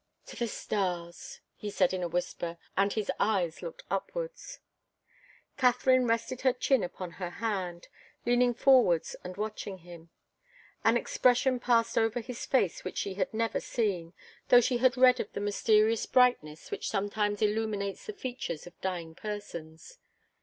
"To the stars," he said in a whisper, and his eyes looked upwards. Katharine rested her chin upon her hand, leaning forwards and watching him. An expression passed over his face which she had never seen, though she had read of the mysterious brightness which sometimes illuminates the features of dying persons.